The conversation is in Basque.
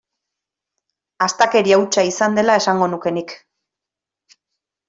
Astakeria hutsa izan dela esango nuke nik.